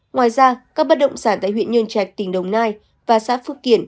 ngoài ra các bất động sản tại huyện nhơn trạch tỉnh đồng nai và xã phước kiển